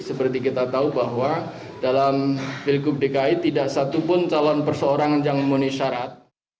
seperti kita tahu bahwa dalam bilkub dki tidak satu pun calon per seorang yang memenuhi syarat